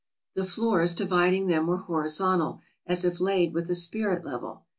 The floors dividing them were horizontal, as if laid with a spirit level.